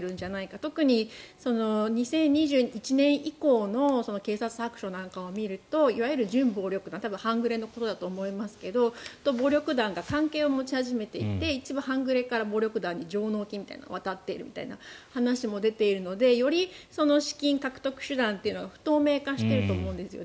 特に２０２１年以降の警察白書なんかを見るといわゆる準暴力団半グレのことだと思いますが暴力団が関係を持ち始めていて一部、半グレから暴力団に上納金が渡っているみたいな話も出ているのでより資金獲得手段が不透明化していると思うんです。